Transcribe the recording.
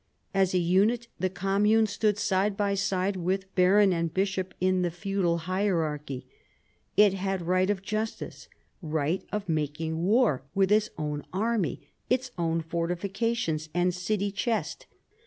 As a unit the commune stood side by side with baron and bishop in the feudal hierarchy. It had right of justice, right of making war, with its own army, its own fortifications, and city chest.